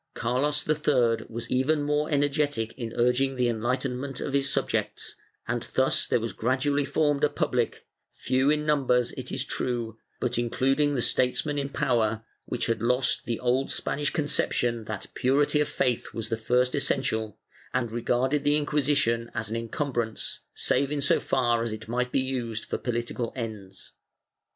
Carlos III was even more energetic in urging the enlighten ment of his subjects, and thus there was gradually formed a pubhc, few in numbers, it is true, but including the statesmen in power, which had lost the old Spanish conception that purity of faith was the first essential, and regarded the Inquisition as an incum brance, save in so far as it might be used for political ends.